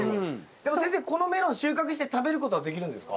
でも先生このメロン収穫して食べることはできるんですか？